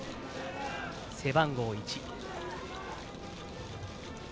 背番号１。